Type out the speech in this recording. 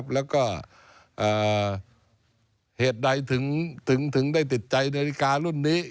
แล้วก็เหตุใดถึงได้ติดใจนาฬิการุ่นนี้